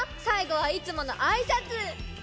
さいごはいつものあいさつ！